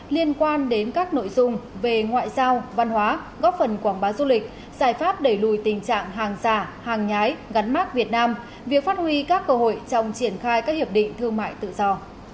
liên quan đến các nội dung về ngoại giao văn hóa góp phần quảng bá du lịch giải pháp đẩy lùi tình trạng hàng giả hàng nhái gắn mát việt nam việc phát huy các cơ hội trong triển khai các hiệp định thương mại tự do